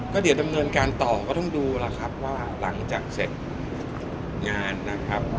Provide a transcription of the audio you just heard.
ก็เดี๋ยวดำเนินการต่อก็ต้องดูแล้วครับว่าหลังจากเสร็จงานนะครับ